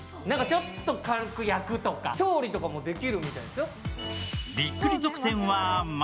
ちょっと軽く焼くとか、調理とかもできるみたいですよ。